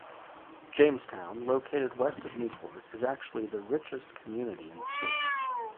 Jamestown, located west of Newport, is actually the richest community in the state.